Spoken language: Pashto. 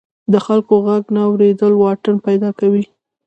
د خلکو غږ نه اوریدل واټن پیدا کوي.